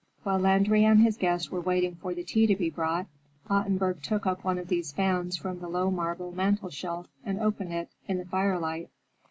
While Landry and his guest were waiting for the tea to be brought, Ottenburg took up one of these fans from the low marble mantel shelf and opened it in the firelight.